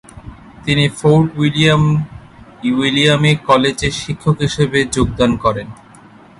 তিনি ফোর্ট উইলিয়ামে কলেজে শিক্ষক হিসেবে যোগদান করেন।